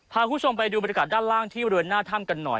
พาคุณผู้ชมไปดูบรรยากาศด้านล่างที่บริเวณหน้าถ้ำกันหน่อย